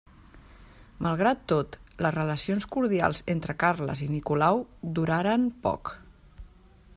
Malgrat tot, les relacions cordials entre Carles i Nicolau duraren poc.